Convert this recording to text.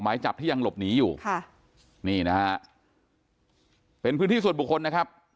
หมายจับที่ยังหลบหนีอยู่ค่ะนี่นะฮะเป็นพื้นที่ส่วนบุคคลนะครับ